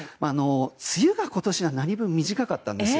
梅雨が今年は何分短かったんです。